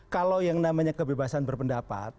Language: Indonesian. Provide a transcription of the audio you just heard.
kalau yang namanya kebebasan berpendapat